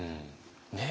ねえ。